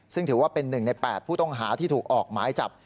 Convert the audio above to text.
ซึ่งถือว่าเป็น๑ใน๘ผู้ต้องหาที่ถูกออกหมายจับ